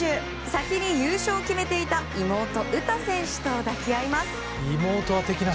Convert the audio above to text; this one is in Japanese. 先に優勝を決めていた妹・詩選手と抱き合います。